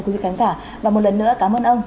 quý vị khán giả và một lần nữa cảm ơn ông